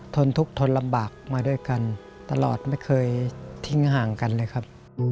นทุกข์ทนลำบากมาด้วยกันตลอดไม่เคยทิ้งห่างกันเลยครับ